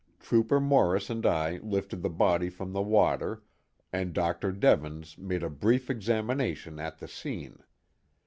Trooper Morris and I lifted the body from the water, and Dr. Devens made a brief examination at the scene.